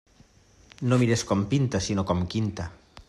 No mires com pinta, sinó com quinta.